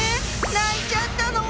⁉泣いちゃったの？